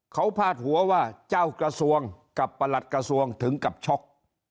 เขาพาดหัวว่าเจ้ากระทรวงกับประหลัดกระทรวงถึงกับช็อก